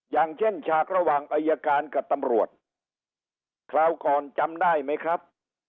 อย่างเช่นฉากระหว่างอายการกับตำรวจคราวก่อนจำได้ไหมครับ